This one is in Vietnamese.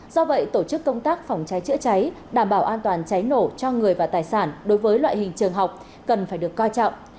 do vậy tổ chức công tác phòng cháy chữa cháy đảm bảo an toàn cháy nổ cho người và tài sản đối với loại hình trường học cần phải được coi trọng